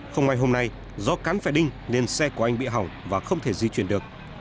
không may hôm nay do cán phải đi nên xe của anh bị hỏng và không thể di chuyển được